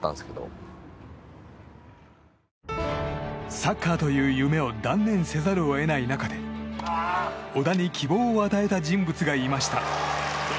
サッカーという夢を断念せざるを得ない中で小田に希望を与えた人物がいました。